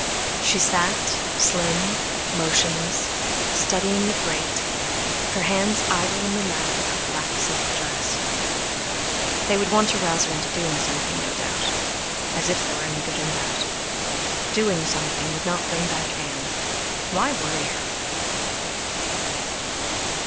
She sat, slim, motionless, studying the grate, her hands idle in the lap of her black silk dress. They would want to rouse her into doing something, no doubt. As if there were any good in that! Doing something would not bring back Ann! Why worry her?